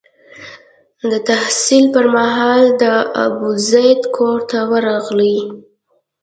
د تحصیل پر مهال د ابوزید کور ته ورغلی.